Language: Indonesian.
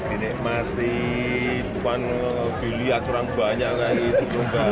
ini mati bukan beli akurang banyak lah itu